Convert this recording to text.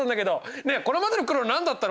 ねえこれまでの苦労何だったの？